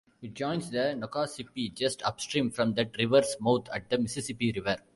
It joins the Nokasippi just upstream from that river's mouth at the Mississippi River.